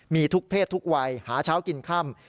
มีทุกเพศทุกวัยหาเช้ากินค่ำ